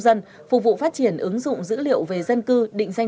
điều hai mươi sáu quy định